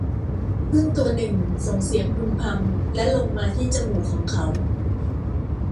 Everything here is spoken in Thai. ผึ้งตัวหนึ่งส่งเสียงพึมพำและลงมาที่จมูกของเขา